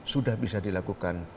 sudah bisa dilakukan